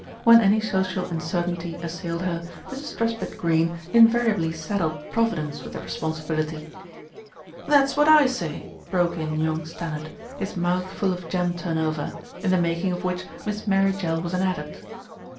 When any social uncertainty assailed her, Mrs. Truspitt Greene invariably saddled Providence with the responsibility. "That's what I say," broke in young Stannard, his mouth full of jam turnover, in the making of which Miss Mary Jell was an adept.